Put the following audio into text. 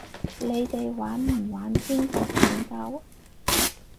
你哋玩唔玩天國拯救？